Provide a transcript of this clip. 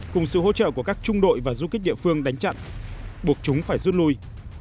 cùng sự hỗ trợ của các trung đội và du kích địa phương đánh chặn buộc chúng phải rút lui